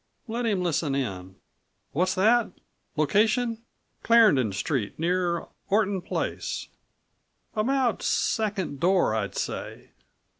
Let him listen in. What's that? Location?16 Clarendon Street, near Orton Place; about second door, I'd say.